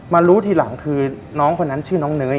รู้ทีหลังคือน้องคนนั้นชื่อน้องเนย